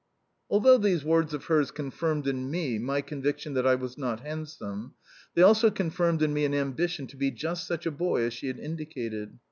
Although these words of hers confirmed in me my conviction that I was not handsome, they also confirmed in me an ambition to be just such a boy as she had indicated.